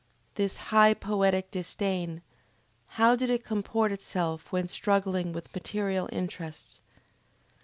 This high poetic disdain, how did it comport itself when struggling with material interests?